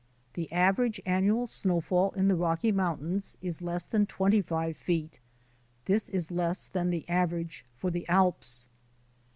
The average annual snowfall in the Rocky Mountains is less than twenty five feet. This is less than the average for the Alps.